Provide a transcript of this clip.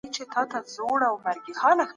دا ليکوال په خپله برخه کي ډېر مهارت لري.